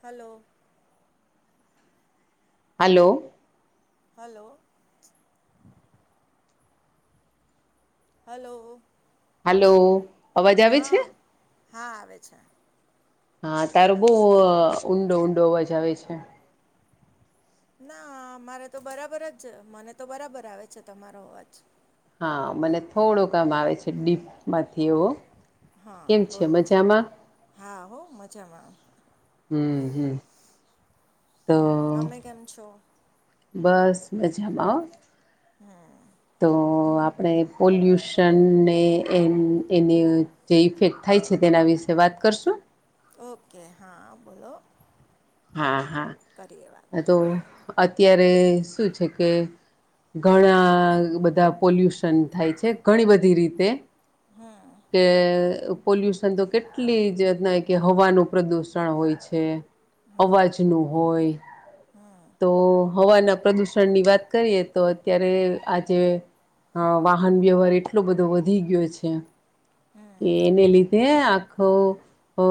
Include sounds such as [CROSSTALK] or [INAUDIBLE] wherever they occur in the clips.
Hello hello hello hello.. hello અવાજ આવે છે હા હા આવે છે હા તારો બહ ઊંડો ઊંડો અવાજ આવે છે ના મારે તો બરાબર જ મને તો બરાબર આવે છે તમારો અવાજ હા મને થોડું કામ આવે છે ડીપમાંથી એવો. હા કેમ છે બોલો મજામાં હા હો મજામાં હમ હમ તો તમે કેમ છો? બસ મજમાં. હમ્મ. તો અ આપણે પોલ્યુશનને એ એની જે ઇફેક્ટ થાય છે તેના વિશે વાત કરશું. ઓકે હા બોલો. હા હા કરીએ વાત આ તો અત્યારે શું છે કે ઘણા બધા પોલ્યુશન થાય છે ઘણી બધી રીતે કે પોલ્યુશન તો કેટલી જ કે હવાનું પ્રદુષણ હોય છે. અવાજ નુ હોય. તો હવાના પ્રદુષણની વાત કરીએ તો અત્યારે આજે હ વાહન વ્યવહાર એટલો બધો વધી ગયો છે હમ કે એને લીધેઆ ખ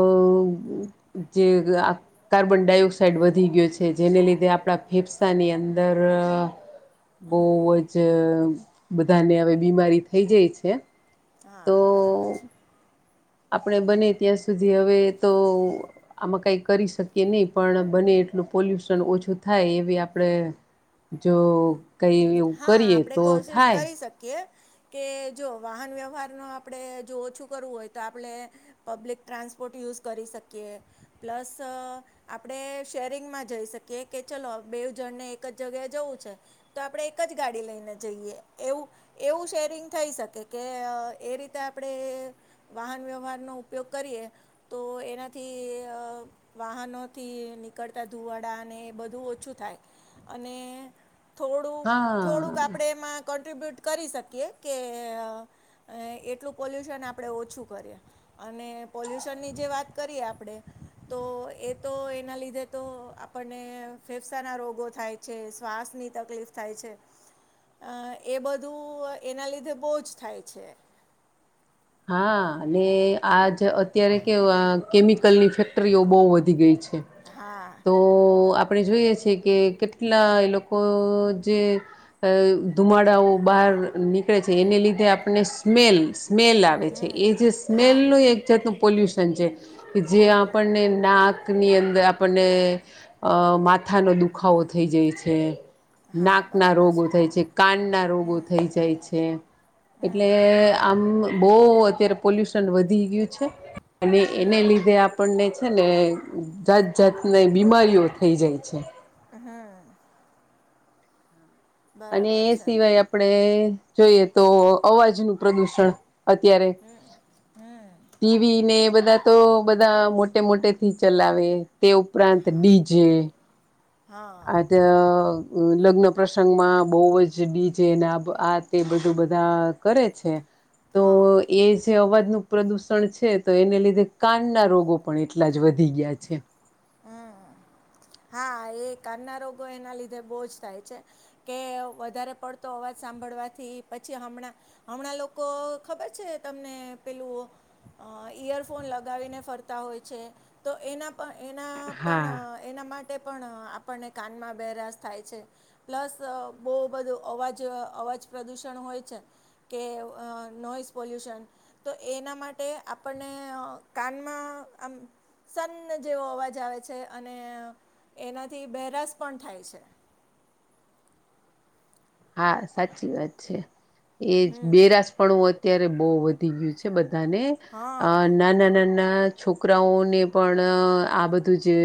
કાર્બન ડાયોક્સાઇડ વધી ગયો છે જેને લીધે ધે આપણા ફેફસાની અંદર બહ જ બધાને હવે બીમારી થઈ જાય છે. હા તો બરાબર છે. આપણે બને ત્યાં સુધી હવે તો આમાં કઈ કરી શકીએ નહીિ પણ બને એટલું પોલ્યુશન ઓછું થાય એવી આપડે જો કઈ એવું હા કરીએ આપણે તો કોશિશ થાય. કરી શકીએ કે જો વાહન વ્યવહાર ન આપણે જો ઓછું કરવું હોય તો આપણે પબ્લિક ટ્રાન્સ પોર્ટ યુઝ કરી શકીએ પ્લસ આપણે શેરિંગમાં જઈ શકીએ કે ચાલ બેવ જણને એક જગ્યાએ જવું છે તો આપડે એક જ ગાડી લઈને જઈએ એવું એવું શેરિંગ થઈ શકે કે એ રીતે આપણે વાહન વ્યવહારનો ઉપયોગ કરીએ તો એનાથી વાહનો થી નીકળતા ધુવાડાને એ બધું ઓછું થાય અને થોડુંક થોડુંક હા આપડણે એમાં બ્યુટ કરી શકીએ કે એટલું પોલ્યુશન આપણે ઓછું કરીએ. અને પોલ્યુશનની જે વાત કરીએ આપણે તો એ તો એના લીધે તો આપણે અને ફેફસાના રોગો થાય છે શ્વાસની તકલીફ થાય છે. અ એ બધું એના લીધે બહજ થાય છે. હા અને આજ અત્યારે કેવુ આ કેમિકલની ફેક્ટરીઓ બહુ વધી ગઈ છે. હા તો આપ ણે જોઈએ છેીએ કે કેટલા એ લોકો જે અ ધુમાડાઓ બહાર નીકળે છે એને લીધે આપને સ્મેલ સ્મેલ આવે છે હમ એ જે હા સ્મેલનું એક જાતનું પોલ્યુશન છે કે જે આપણને નાક ની અંદર આપણને અ માથાનો દુખાવો થઈ જાય છે. હા નાક ના બરાબર રોગો થાય છે કાન ના રોગો થઈ જાય છે. એટલે આમ બહુ અત્યારે પોલ્યુશન વધી ગયું છે અને એને લીધે આપણને છે ને જાત જાતને બીમારીઓ થઈ જાય છે. અને બરાબર એ છે સિવાય આપણે જોઈએ તો અવાજનું પ્રદુષણ અત્યારે ટી વી ને બધા ધા તો બધા મોટે મોટે થી ચલાવે તે ઉપરાંત ડી જે હા અદ લગ્ન પ્રસંગમાં બહુ જ ડી જે ને આ તે બધું બધા કરે છે. તો હા એ છે અવાજ નુ પ્રદૂષણ છે તો એને લીધે કાનના રોગો પણ એટલા જ વધી ગયા છે. [INAUDIBLE] હા એ કાનના રોગો એના લીધે બહુ જ થાય છે કે વધારે પડતો અવા જ સાંભળવાથી પછી હમણાં હમણાં લોકો ખબર છે તમને પેલું અ ઈયરફોન લગાવીને ફરતા હોય છે તો એના પણ એના હા પણ એના મા કે પણ આપને કાનમાં બેરાસ થાય છે, પ્લસ બહુ બધું અવાજ અ વાજ પ્રદૂષણ હોય છે, કે નોઈસ પોલ્યુશન તો એના માટે આપણે ને કાનમાં આમ સન જેવો અવાજ આવે છે, અને એનાથી બેરાસ પણ થાય છે. [INAUDIBLE] હા સાચી વાત છે, એજ બેરાસ પણુ અત્યારે બહુ વધી ગયું છે, બધાને અ હા નાના નાના છોકરાઓને પણ આ બધું જે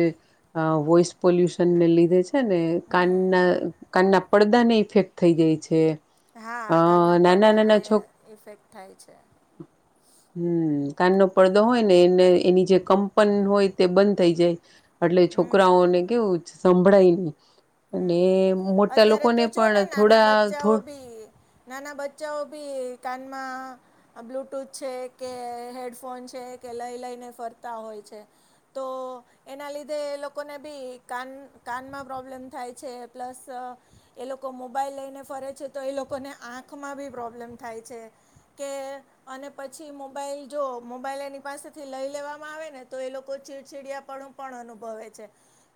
વોઈસ પોલ્યુશન ને લીધે છે. છે ને કાનના કાનના પડદાને ઇફેક્ટ થઈ ગઈ છે. હા અ કાનના નાના પડદા ને નાના છોક ઇફેક્ટ થાય છે. હમ કાનનો પડદો હોય ને એને એની જે કંપન હોય તે બંધ થઈ જાય એટલે છોકરાઓને કેવું સંભળાય નહી અને મોટા અત્યારે લોકોને તો જો પણ ને નાના થોડા બચ્ચાઓ ભી નાના બચ્ચાઓ ભી કાનમાં બ્લુટૂથ છે કે હેડફોન છે, કે લઈ લઈને ફરતા હોય છે, તો એના લીધે એ લોકોને બી કાન કાનમાં પ્રોબ્લેમ થાય છે પ્લસ એ લોકો મોબાઈલ લઈને ફરે છે, તો એ લોકોને આંખમાં બી પ્રોબ્લેમ થાય છે કે અને પછી મોબાઈલ જો મોબાઈલ એની પાસેથી લઈ લેવામાં આવે ને તો એ લોકો ચીડચીડિયા પણ અનુભવે છે,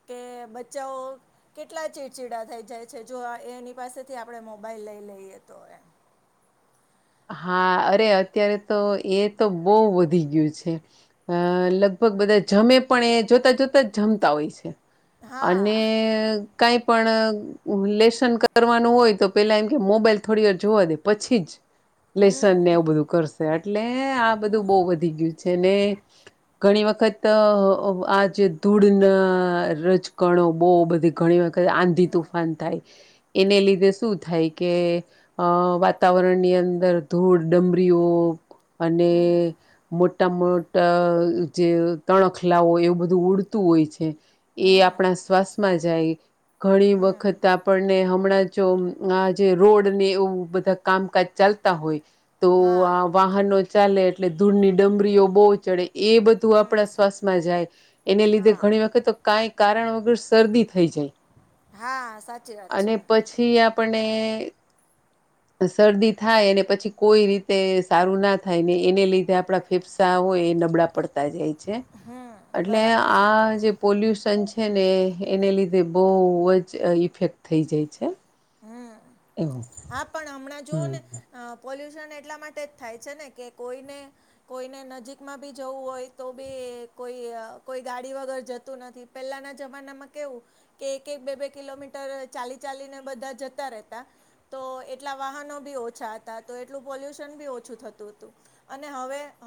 કે બચ્ચાઓ કેટલા ચીડચીડા થઈ જાય છે, જો એની પાસેથી આપડે મોબાઈલ લઈ લઈએ તો એમ. [INAUDIBLE] હા અરે અત્યારે તો એ તો બહુ વધી ગયું છે. અ લગભગ બધા જમે પણ એ જોતા જોતા જ જમતા હોય છે, હા અને કાંઈ પણ લેશન કરવાનું હોય તો પેલા એમ કે મોબાઈલ થોડી વાર જોવા દે પછી જ લેસન ને હમ એવું બધું કરશે એટલે આ બધું બહુ વધી ગયું છે ને ઘણી વખત આજ ધૂળ ના રજકણો બહુ બધી ઘણી વખત આંધી તુફાન થાય એને લીધે શું થાય કે અ વાતાવરણની અંદર અંદર ધૂળ ડમરીઓ અને મોટી ટમટા જે તણખલાવો એવું બધું ઉડતું હોય છે. એ હમ આપણા શ્વાસમાં જાય ઘણી હમ વખત આપણને હમણાં જો આ જે રોડ ને એવું બધા કામકાજ ચાલતા હોય તો આ હા વાહનો ચાલે એટલે ધૂળની ડમરીઓ બહુ ચડે એ બધું હમ આપણા શ્વાસમાં જાય એને લીધે હા ઘણી વખત કાંઈ કારણ વગર શરદી થઈ જાય. હા સાચી વાત અને છે પછી આપને શરદી થાય અને પછી કોઈ રીતે સારું ના થાય ને એને લીધે આપણા ફેફસા હોય એ નબળા પડતા જાય છે એટલે બરાબર છે આ જે પોલ્યુશન છે ને એને લીધે બહુ જ ઇફેક્ટ થઈ જાય છે. હમ એવું હા પણ હમણાં જોવો ને હમ પોલ્યુશન એટલા માટે જ થાય છે ને કે કોઈને કોઈને નજીકમાં બી જવું હોય તો બી કોઈ કોઈ ગાડી વગર જતું નથી પેલાના જમાનામાં કેવું કે એક એક બે બે કિલોમીટર ચાલી ચાલીને બધા જતા રહેતા તો એટલા વાહનો બી ઓછા હતા તો એટલું પોલ્યુશન બી ઓછું થતું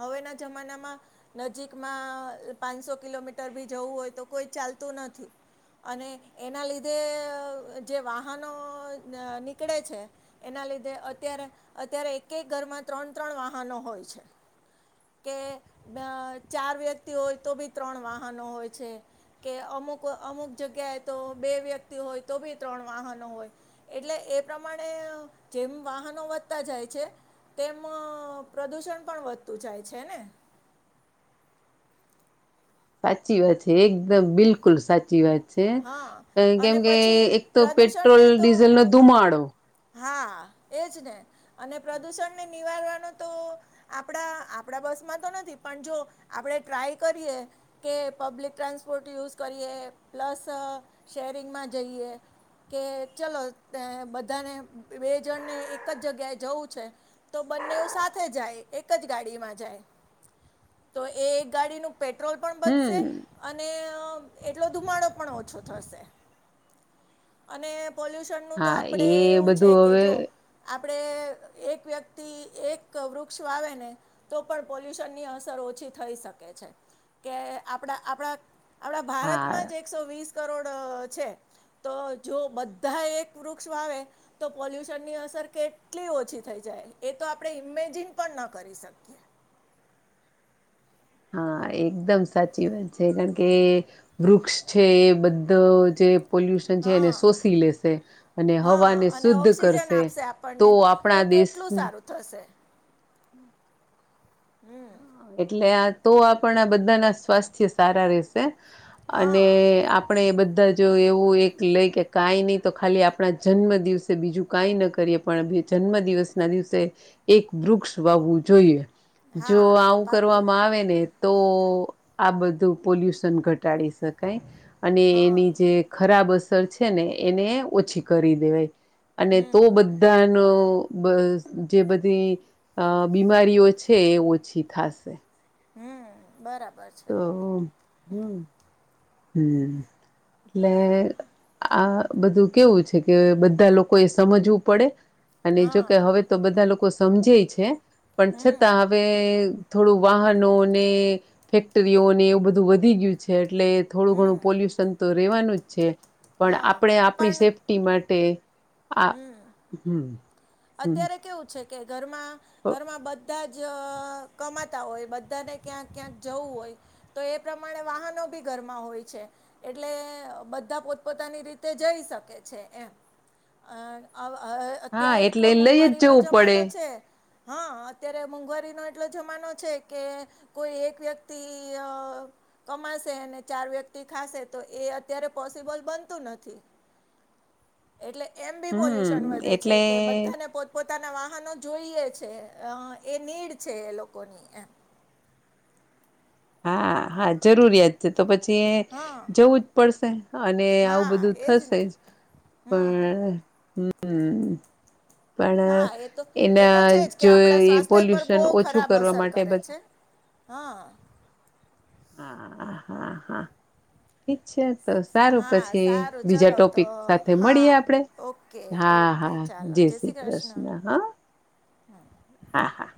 હવેના જમાનામાં નજીકમાં પાંચસો કિલોમીટર જવુ હોય તો કોઈ ચાલતું નથી અને એના લીધે જે નીકળે છે એના લીધે અત્યારે અત્યારે એક એક ઘરમાં ત્રણ ત્રણ પણ વાહનો હોય છે કે ચાર વ્યક્તિ હોય તો બી ત્રણ વાહનો હોય છે કે અમુક અમુક જગ્યાએ તો બે વ્યક્તિ હોય તો બી ત્રણ વાહન એટલે એ પ્રમાણે જેમ વાહનો વધતા જાય છે તેમ પ્રદુષણ પણ વધતું જાય છે ને સાચી વાત છે એકદમ બિલકુલ સાચી વાત ણ હા હોયે કેમ અને કે પછી એક તો પેટ્રોલ પ્રદૂષણને તો ડીઝલ નો ધુમાડો હા એ જ ને અને પ્રદુષણને નિવારવાનો તો આપણા આપણા બસ માં તો નથી પણ જો આપણે ટ્રાય કરીએ કે પબ્લિક ટ્રાન્સપોર્ટ યુઝ કરીએ પ્લસ શેરિંગમાં જઈએ કે ચલો બધાને બે જણ ને એક જ જગ્યાએ જવું છે તો બને સાથે જાય એક જ ગાડીમાં જાય તો એ એક ગાડીનું પેટ્રોલ પણ બચશે હમ અને એટલો ધુમાડો પણ ઓછો થશે અને પોલ્યુશન નું તો હા આપડે એ એવું છે બધું કે હવે જો આપણે એક વ્યક્તિ એક વૃક્ષ આવે ને તો પણ પોલ્યુશનની અસર ઓછી થઈ શકે છે છે કે આપણા આપણા હા ભારતમાં જ એકસો વીસ કરોડ છે તો જો બધા એક વૃક્ષ આવે તો પોલ્યુશન ની અસર કેટલી ઓછી થઈ જાય એ તો આપણે ઇમેજિન પણ ના કરી શકીએ હા એકદમ સાચી વાત છે કારણ કે વૃક્ષ છે એ બધો જે પોલ્યુશન છે એને હા શોષી લેશે અને હા હવાને અને શુદ્ધ ઓક્સિજન કરશે આપશે તો આપણને આપણા તો કેટલું સારું થશે હમ્મ હમ્મ એટલે આ તો આપણા બધા ના સ્વાસ્થ્ય સારા રે શે અને હા આપણે એ બધા જ જો એવું એક લઈ કે કાંઈ નહી તો ખાલી આપણા જન્મ દિવસે બીજું કાંઈ ન કરીએ પણ જન્મ દિવસ ના દિવસે એક વૃક્ષ વાવવું જોઈએ હા પ વામાં આવે ને તો આ બધું પોલ્યુશન ઘટાડી શકાય અને હા એની જે ખરાબ અસર છે ને એને ઓછી કરી દેવાય અને તો બધાનો જે બધી બીમારીઓ છે એ ઓછી થશે હમ્મ બરાબર છે તો હમ્મ હમ્મ એટલે આ બધું કેવું છે કે બધા લોકો એ સમજવું પડે અને જોકે હા હવે તો બધા લોકો સમજે છે પણ છતાં હવે થોડું વાહનોને ફેક્ટરીઓને એવું બધું વધી ગયું છે એટલે થોડું ઘણું પોલ્યુશન તો રહેેવાનું જ છે પણ હા આપણે આપણી પણ સેફ્ટી માટે આ હમ્મ અત્યારે કેવું છે કે ઘરમાં ઘરમાં બધા જ કમાતા હોય બધાને ક્યાંક ક્યાંક જવું હોય તો એ પ્રમાણે વાહનો બી ઘરમાં હોય છે એટલે બધા પોતપોતાની રીતે જઈ શકે છે એમ અ અ હા અત્યારે એટલો એટલે લઈ જ મોંઘવારીનો જવું પડે જમાનો છે હા અત્યારે મોંઘવારીનો એટલો જમાનો છે કે કોઈ એક વ્યક્તિ અ કમાશે અને ચાર વ્યક્તિ ખાશે તો એ અત્યારે પોસિબલ બનતું નથી [INAUDIBLE] એટલે એમ બી પોલ્યુશન હમ વધે છે એટલે કે બધા પોતાના વાહનો જોઈએ છે, એ નીડ છે, એ લોકોની એમ હા હા જરૂરિયાત છે તો પ છી હા જવું જ પડશે અને આવું હા બધું એજ થશે ને જ હમ પણ હમ પણ હા એ તો એ તો એના છે જ કે જો આપણા એ સ્વાસ્થ્ય પર પોલ્યુશન બહુ ઓછું ખરાબ કરવા અસર માટે કરે છે બધા હા હા હા હા ઠીક છે. તો સારું હા પછી સારું બીજા ચલો તો ટોપિક સાથે મળીએ હા આપડે ઓકે હા ઓકે હા ચાલો જય શ્રી કૃષ્ણ હા હા હા